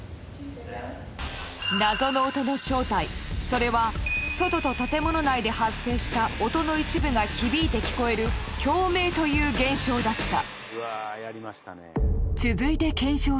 それは外と建物内で発生した音の一部が響いて聞こえる共鳴という現象だった